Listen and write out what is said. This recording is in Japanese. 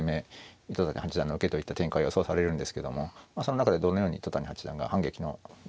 糸谷八段の受けといった展開が予想されるんですけどもその中でどのように糸谷八段が反撃の道筋を立てていくか。